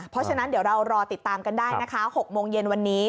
เพราะฉะนั้นเดี๋ยวเรารอติดตามกันได้นะคะ๖โมงเย็นวันนี้